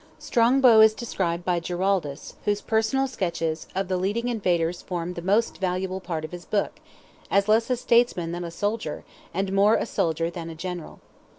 Strongbow is described by Giraldus, whose personal sketches, of the leading invaders form the most valuable part of his book, as less a statesman than a soldier, and more a soldier than a general.